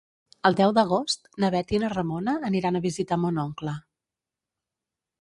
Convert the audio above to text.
El deu d'agost na Bet i na Ramona aniran a visitar mon oncle.